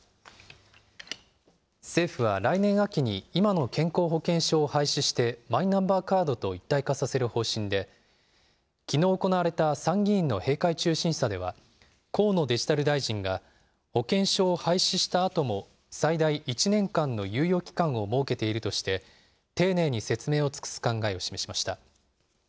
政府は来年秋に、今の健康保険証を廃止して、マイナンバーカードと一体化させる方針で、きのう行われた参議院の閉会中審査では、河野デジタル大臣が、保険証を廃止したあとも最大１年間の猶予期間を設けているとして、丁寧に説明を尽くす考えを示しました。